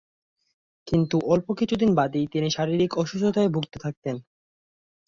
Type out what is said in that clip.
কিন্তু অল্প কিছুদিন বাদেই তিনি শারীরিক অসুস্থতায় ভুগতে থাকেন।